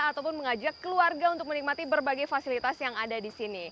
ataupun mengajak keluarga untuk menikmati berbagai fasilitas yang ada di sini